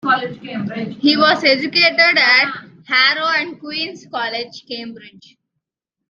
He was educated at Harrow and Queens' College, Cambridge.